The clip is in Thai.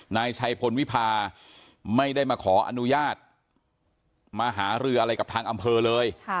นายชัยพลวิพาไม่ได้มาขออนุญาตมาหารืออะไรกับทางอำเภอเลย